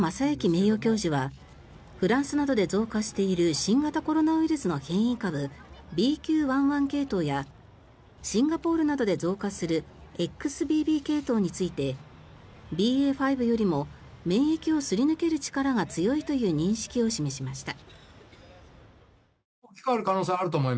名誉教授はフランスなどで増加している新型コロナの変異株ＢＱ１．１系統やシンガポールなどで増加するＸＢＢ系統についてＢＡ．５よりも免疫をすり抜ける力が強いという認識を示しました。